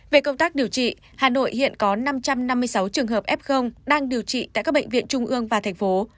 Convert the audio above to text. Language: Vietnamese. về công tác điều trị hà nội hiện có năm trăm năm mươi sáu trường hợp f đang điều trị tại các bệnh viện trung ương và thành phố